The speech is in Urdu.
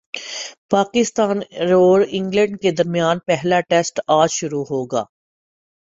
پاکستان اور انگلینڈ کے درمیان پہلا ٹیسٹ اج شروع ہوگا